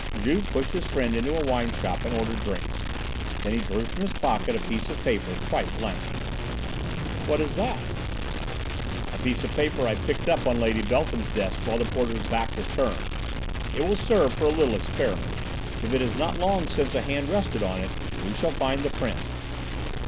Juve pushed his friend into a wine shop and ordered drinks. He then drew from his pocket a piece of paper, quite blank. "What is that?" "A bit of paper I picked up on Lady Beltham's desk while the porter's back was turned. It will serve for a little experiment. If it is not long since a hand rested on it, we shall find the print."